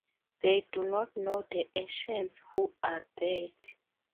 They do not know the ancients who are dead.